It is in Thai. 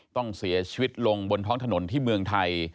ต้องเสียชีวิตลงบนท้องถนนที่เมืองไทย